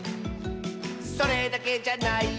「それだけじゃないよ」